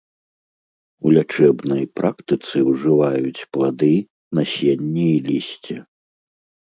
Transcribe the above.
У лячэбнай практыцы ўжываюць плады, насенне і лісце.